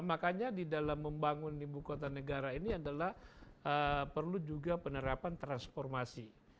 makanya di dalam membangun ibu kota negara ini adalah perlu juga penerapan transformasi